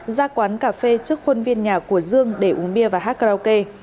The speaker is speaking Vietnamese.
ra quán cà phê trước khuôn viên nhà của dương để uống bia và hát karaoke